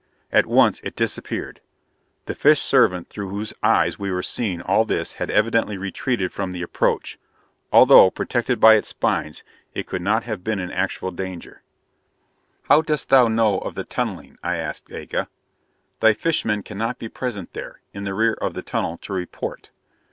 At once it disappeared: the fish servant through whose eyes we were seeing all this had evidently retreated from the approach; although, protected by its spines, it could not have been in actual danger. "How dost thou know of the tunneling?" I asked Aga. "Thy fish men cannot be present there, in the rear of the tunnel, to report."